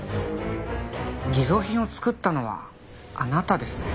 偽造品を作ったのはあなたですね？